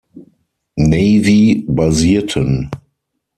Navy basierten.